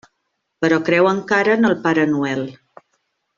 Però creu encara en el Pare Noel.